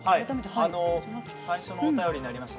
最初のお便りにありました